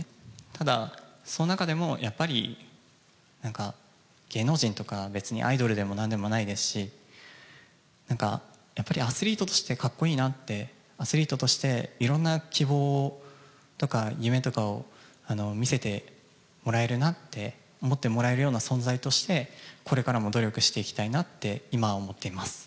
ただ、その中でもやっぱりなんか、芸能人とか別にアイドルでもなんでもないですし、なんか、やっぱりアスリートとしてかっこいいなって、アスリートとしていろんな希望とか、夢とかをみせてもらえるなって思ってもらえるような存在として、これからも努力していきたいなって、今は思っています。